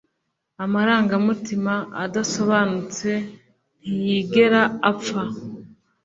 amarangamutima adasobanutse ntiyigera apfa